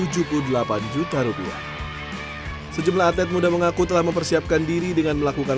tujuh puluh delapan juta rupiah sejumlah atlet muda mengaku telah mempersiapkan diri dengan melakukan